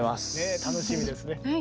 楽しみですね。